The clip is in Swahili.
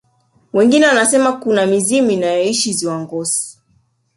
wengine wanasema kuna mizimu inayoishi ziwa ngosi